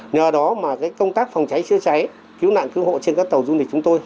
nhờ đó mà công tác phòng cháy chữa cháy cứu nạn cứu hộ trên các tàu du lịch chúng tôi